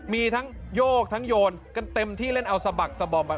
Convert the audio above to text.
มีทั้งโยกทั้งโยนกันเต็มที่เล่นเอาสะบักสะบอม